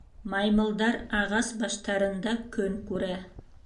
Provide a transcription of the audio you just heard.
Маймылдар ағас баштарында көн күрә.